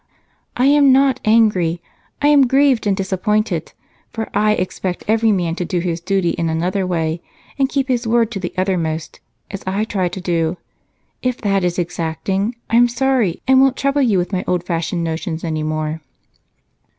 "I am not angry I am grieved and disappointed, for I expect every man to do his duty in another way and keep his word to the uttermost, as I try to do. If that is exacting, I'm sorry, and won't trouble you with my old fashioned notions anymore."